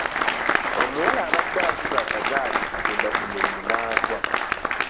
Omuwala abadde avuga akagaali okugenda ku mulimu n'agwa.